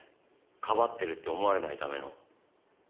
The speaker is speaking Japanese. かばってるって思われないための。